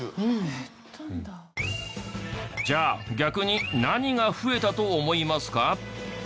じゃあ逆に何が増えたと思いますか？